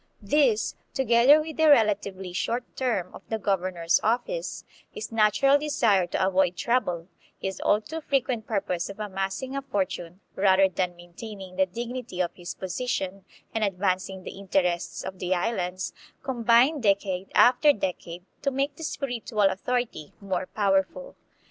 This, together with the relatively short term of the governor's office, his natural desire to avoid trouble, his all too frequent purpose of amassing a fortune rather than maintaining the dignity of his position and advancing the interests of the Islands, combined decade after decade to make the spiritual authority more powerful.